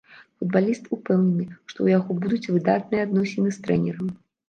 Футбаліст ўпэўнены, што ў яго будуць выдатныя адносіны з трэнерам.